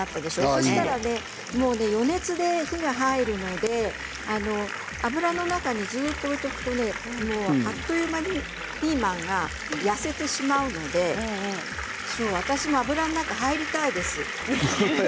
そしたらね、もう余熱で火が入るので油の中にずっと置いておくとあっという間にピーマンが痩せてしまうので私も油の中に入りたいです。